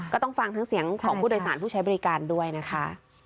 ก็ต้องฟังทั้งเสียงของผู้โดยสารผู้ใช้บริการด้วยนะคะ